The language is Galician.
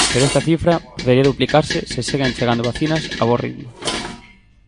Pero esta cifra podería duplicarse se seguen chegando vacinas a bo ritmo.